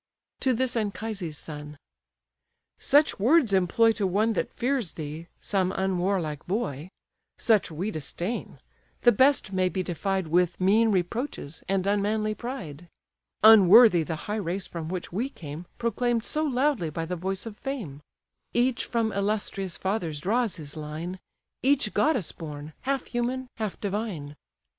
To this Anchises' son: "Such words employ To one that fears thee, some unwarlike boy; Such we disdain; the best may be defied With mean reproaches, and unmanly pride; Unworthy the high race from which we came Proclaim'd so loudly by the voice of fame: Each from illustrious fathers draws his line; Each goddess born; half human, half divine.